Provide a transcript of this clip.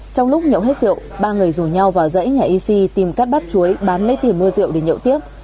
trong lúc nhậu hết rượu ba người rủ nhau vào dãy nhà yixi tìm cắt bắp chuối bán lấy tiền mua rượu để nhậu tiếp